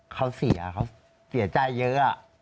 เขาเสียเขาเสียใจเยอะ